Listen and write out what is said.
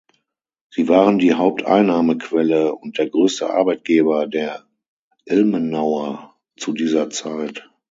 Sie waren die Haupteinnahmequelle und der größte Arbeitgeber der Ilmenauer zu dieser Zeit.